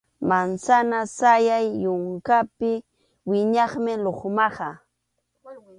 Mansana sayay yunkapi wiñaqmi lukmaqa.